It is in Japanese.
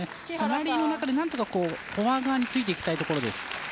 ラリーの中で何とかフォア側についていきたいところです。